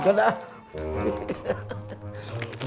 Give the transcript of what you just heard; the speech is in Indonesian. gak mau simpen